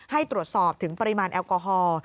ให้ตรวจสอบถึงปริมาณแอลกอฮอล์